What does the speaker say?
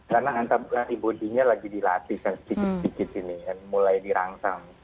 karena antibody nya lagi dilatih sedikit sedikit ini mulai dirangsang